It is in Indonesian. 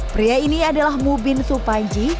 pria ini adalah mubin supanji